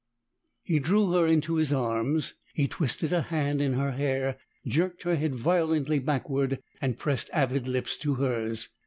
He drew her into his arms. He twisted a hand in her hair, jerked her head violently backward, and pressed avid lips to hers.